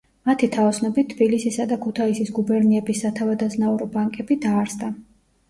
მათი თაოსნობით თბილისისა და ქუთაისის გუბერნიების სათავადაზნაურო ბანკები დაარსდა.